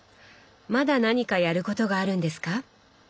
まだ何かやることがあるんですか？